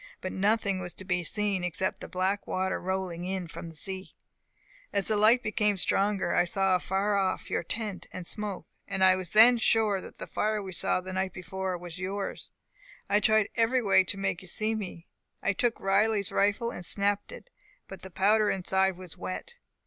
But nothing was to be seen except the black water rolling in from sea. As the light became stronger, I saw afar off your tent and smoke, and I was then sure that the fire we saw the night before was yours. I tried every way to make you see me. I took Riley's rifle, and snapped it, but the powder inside was wet.